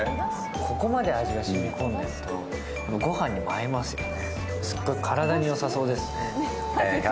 ここまで味が染み込んでいると御飯にも合いますね。